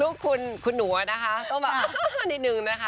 ลูกคุณคุณหนัวนะคะต้องมาฮ่านิดนึงนะคะ